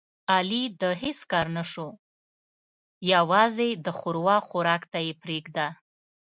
علي د هېڅ کار نشو یووازې د ښوروا خوراک ته یې پرېږده.